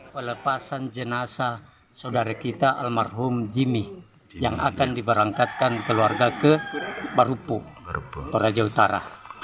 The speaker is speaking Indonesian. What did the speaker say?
pelepasan jenazah saudara kita almarhum jimmy yang akan diberangkatkan keluarga ke parupuk toraja utara